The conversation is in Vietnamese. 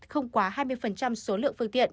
không quá hai mươi số lượng phương tiện